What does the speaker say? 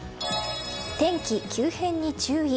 天気急変に注意。